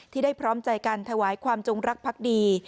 ได้พร้อมใจกันถวายความจงรักพักดี